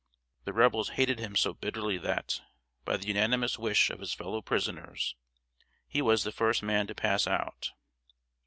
The Rebels hated him so bitterly that, by the unanimous wish of his fellow prisoners, he was the first man to pass out.